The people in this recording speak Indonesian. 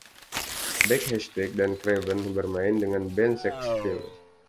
Baik Heistek dan Craven bermain dengan band Sackville.